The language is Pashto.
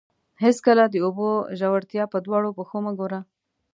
هېڅکله د اوبو ژورتیا په دواړو پښو مه ګوره.